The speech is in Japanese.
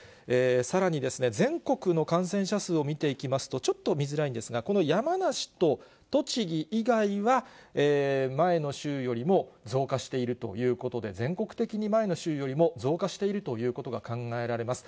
さらに、全国の感染者数を見ていきますと、ちょっと見づらいんですが、この山梨と栃木以外は、前の週よりも増加しているということで、全国的に前の週よりも増加しているということが考えられます。